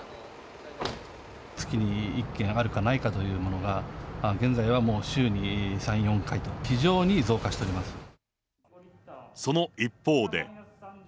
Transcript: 月に１件あるかないかというものが、現在はもう週に３、４回その一方で。